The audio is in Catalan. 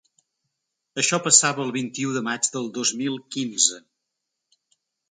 Això passava el vint-i-u de maig del dos mil quinze.